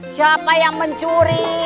siapa yang mencuri